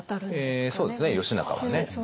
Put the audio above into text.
そうですね義央はね。